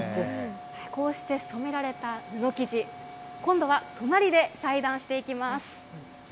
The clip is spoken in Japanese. こうして染められた布生地、今度は隣で裁断していきます。